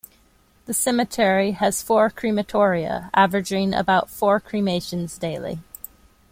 The cemetery has four crematoria averaging about four cremations daily.